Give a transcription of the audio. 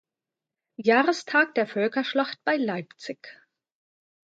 Jahrestag der Völkerschlacht bei Leipzig.